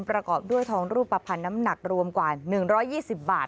ประกอบด้วยทองรูปภัณฑ์น้ำหนักรวมกว่า๑๒๐บาท